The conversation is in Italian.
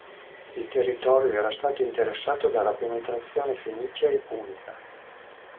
Il territorio era stato interessato dalla penetrazione fenicia e punica.